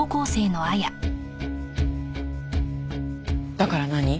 だから何？